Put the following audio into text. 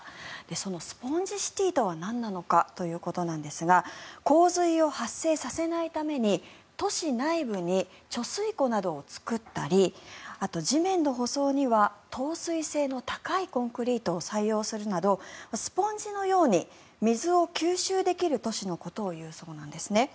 そのスポンジシティとはなんなのかということなんですが洪水を発生させないために都市内部に貯水湖などを作ったりあと、地面の舗装には透水性の高いコンクリートを採用するなどスポンジのように水を吸収できる都市のことを言うそうなんですね。